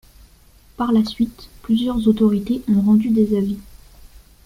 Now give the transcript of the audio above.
Par la suite, plusieurs autorités ont rendu des avis.